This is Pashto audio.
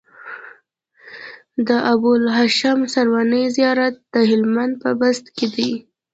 د ابوالهاشم سرواني زيارت د هلمند په بست کی دی